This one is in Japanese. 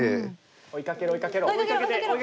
追いかけろ追いかけろ。